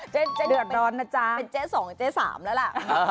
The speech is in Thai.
เจ๊หนึ่งเป็นเจ๊สองเจ๊สามแล้วล่ะ